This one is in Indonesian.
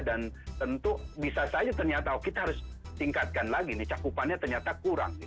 dan tentu bisa saja ternyata kita harus tingkatkan lagi nih cakupannya ternyata kurang